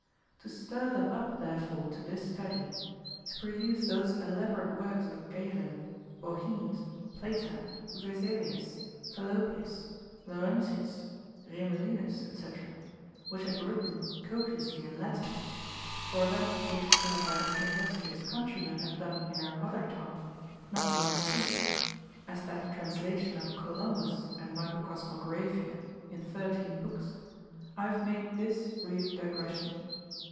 To stir them up therefore to this study, to peruse those elaborate works of Galen, Bauhines, Plater, Vesalius, Falopius, Laurentius, Remelinus, &c., which have written copiously in Latin; or that which some of our industrious countrymen have done in our mother tongue, not long since, as that translation of Columbus and Microcosmographia, in thirteen books, I have made this brief digression.